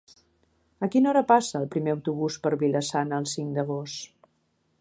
A quina hora passa el primer autobús per Vila-sana el cinc d'agost?